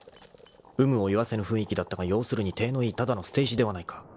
［有無を言わせぬ雰囲気だったが要するに体のいいただの捨て石ではないか］